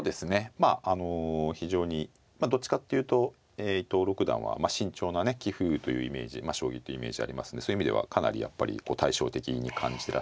まああの非常にどっちかっていうと伊藤六段は慎重なね棋風というイメージまあ将棋というイメージありますんでそういう意味ではかなりやっぱり対照的に感じてらっしゃるのかもしれないですね。